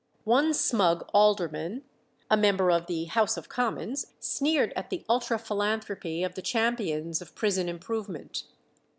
One smug alderman, a member of the House of Commons, sneered at the ultra philanthropy of the champions of prison improvement.